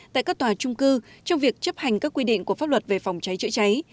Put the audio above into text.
tại các tòa trung cư trong việc chấp hành các quy định của pháp luật về phòng cháy chữa cháy